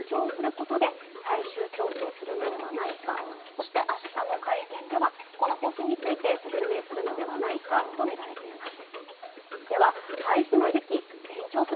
そして明日の会見では、この方針について説明するのではないかとみられています。